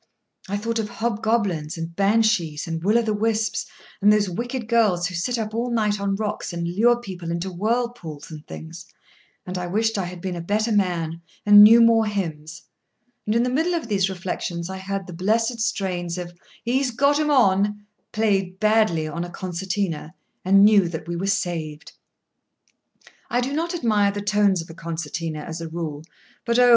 I thought of hobgoblins and banshees, and will o' the wisps, and those wicked girls who sit up all night on rocks, and lure people into whirl pools and things; and I wished I had been a better man, and knew more hymns; and in the middle of these reflections I heard the blessed strains of "He's got 'em on," played, badly, on a concertina, and knew that we were saved. I do not admire the tones of a concertina, as a rule; but, oh!